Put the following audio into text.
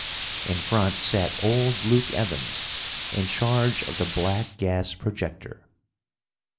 In front sat old Luke Evans, in charge of the black gas projector.